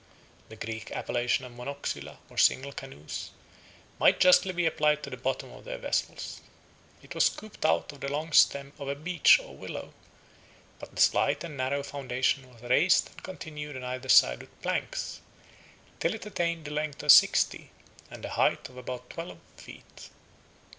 58 The Greek appellation of monoxyla, or single canoes, might justly be applied to the bottom of their vessels. It was scooped out of the long stem of a beech or willow, but the slight and narrow foundation was raised and continued on either side with planks, till it attained the length of sixty, and the height of about twelve, feet.